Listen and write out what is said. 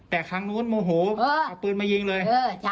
แต่ครั้งนู้นโมโหเอาปืนมายิงเลย